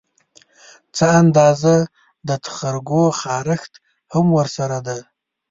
څه اندازه د تخرګو خارښت هم ورسره ده